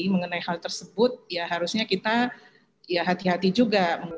mengenai hal tersebut ya harusnya kita ya hati hati juga